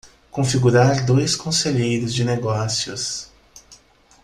Configurar dois conselheiros de negócios